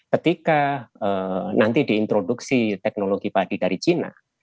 ketika nanti diintroduksi teknologi padi dari cina